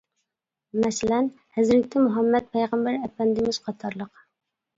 مەسىلەن، «ھەزرىتى مۇھەممەد» ، «پەيغەمبەر ئەپەندىمىز» قاتارلىق.